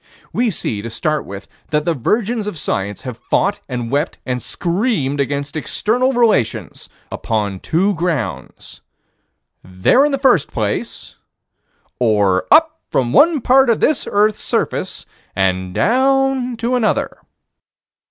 We see, to start with, that the virgins of science have fought and wept and screamed against external relations upon two grounds: There in the first place; Or up from one part of this earth's surface and down to another.